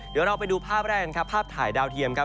เดี๋ยวเราไปดูภาพแรกกันครับภาพถ่ายดาวเทียมครับ